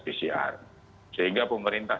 pcr sehingga pemerintah